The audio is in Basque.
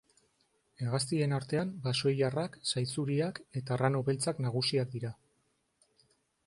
Hegaztien artean, basoilarrak, sai zuriak eta arrano beltzak nagusiak dira.